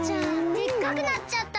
でっかくなっちゃった！